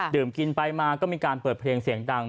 กินไปมาก็มีการเปิดเพลงเสียงดัง